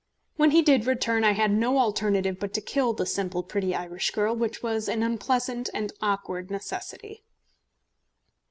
When he did return I had no alternative but to kill the simple pretty Irish girl, which was an unpleasant and awkward necessity.